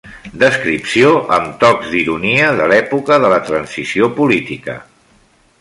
Descripció amb tocs d’ironia de l’època de la transició política.